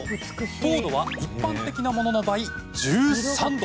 糖度は一般的なものの倍、１３度。